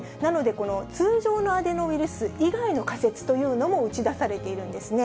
この通常のアデノウイルス以外の仮説というのも打ち出されているんですね。